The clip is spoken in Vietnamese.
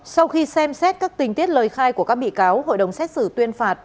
sau khi xem xét các tình tiết lời khai của các bị cáo hội đồng xét xử tuyên phạt